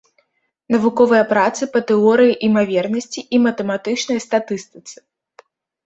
Навуковыя працы па тэорыі імавернасці і матэматычнай статыстыцы.